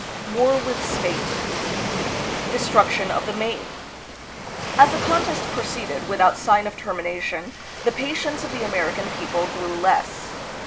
War with Spain. Destruction of the "Maine." As the contest proceeded without sign of termination, the patience of the American people grew less.